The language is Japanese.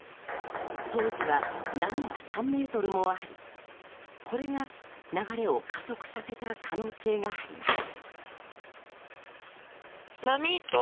当時は波が３ｍもありこれが流れを加速させた可能性があります。